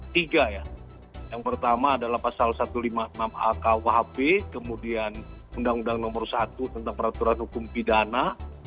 tiga ya yang pertama adalah pasal satu ratus lima puluh enam a kuhp kemudian undang undang nomor satu tentang peraturan hukum pidana